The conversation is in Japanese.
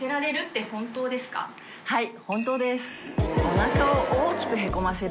はい。